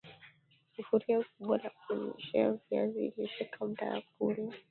sufuria kubwa la kuoshea viazi lishe kabla ya kula